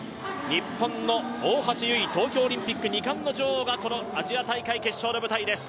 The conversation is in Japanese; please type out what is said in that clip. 日本の大橋悠依、東京オリンピック２冠の女王がこのアジア大会の舞台です。